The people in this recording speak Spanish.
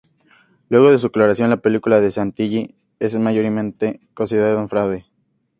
Luego de su declaración, la película de Santilli es mayoritariamente considerada un fraude.